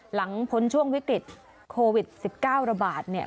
หลังพ้นช่วงวิกฤตโควิด๑๙บาทเนี่ย